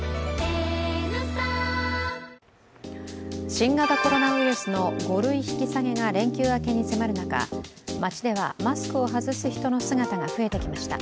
新型コロナウイルスの５類引き下げが連休明けに迫る中、街ではマスクを外す人の姿が増えてきました。